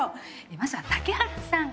まずは竹原さん